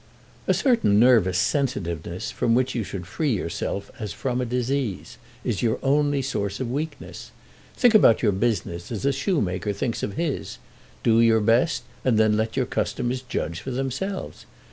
"A certain nervous sensitiveness, from which you should free yourself as from a disease, is your only source of weakness. Think about your business as a shoemaker thinks of his. Do your best, and then let your customers judge for themselves.